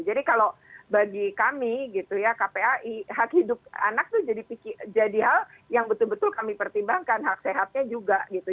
jadi kalau bagi kami gitu ya kphi hak hidup anak itu jadi hal yang betul betul kami pertimbangkan hak sehatnya juga gitu